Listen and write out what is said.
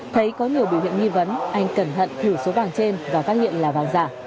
thấy có nhiều biểu hiện nghi vấn anh cẩn thận thử số vàng trên và phát hiện là vàng giả